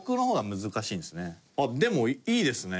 でもいいですね。